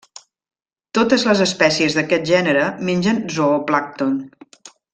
Totes les espècies d'aquest gènere mengen zooplàncton.